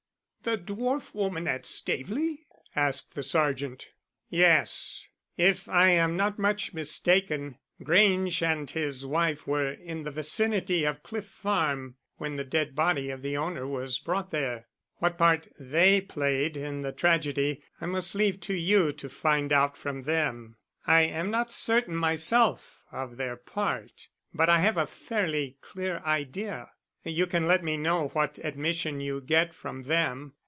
"The dwarf woman at Staveley?" asked the sergeant. "Yes. If I am not much mistaken Grange and his wife were in the vicinity of Cliff Farm when the dead body of the owner was brought there. What part they played in the tragedy I must leave you to find out from them. I am not certain myself of their part, but I have a fairly clear idea. You can let me know what admission you get from them.